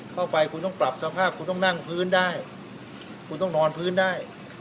เข้าไปคุณต้องปรับสภาพคุณต้องนั่งพื้นได้คุณต้องนอนพื้นได้